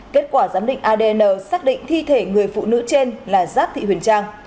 kết quả giám định adn xác định thi thể người phụ nữ trên là giáp thị huyền trang